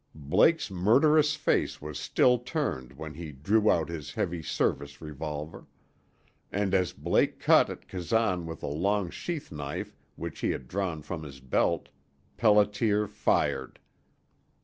Blake's murderous face was still turned when he drew out his heavy service revolver; and as Blake cut at Kazan with a long sheath knife which he had drawn from his belt Pelliter fired.